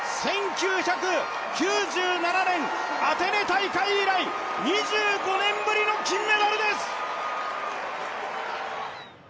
１９９７年アテネ大会以来、２５年ぶりの金メダルです。